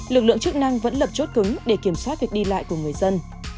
lực lượng chức năng vẫn lập chốt cứng để kiểm soát việc đi lại của người dân